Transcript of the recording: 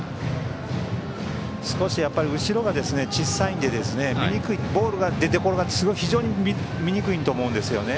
少し、後ろが小さいのでボールの出どころが非常に見にくいと思うんですよね。